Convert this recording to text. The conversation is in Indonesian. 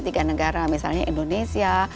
tiga negara misalnya indonesia